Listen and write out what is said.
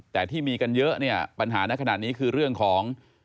แต่ที่มีกันเยอะเนี่ยปัญหาในขณะนี้คือเรื่องของ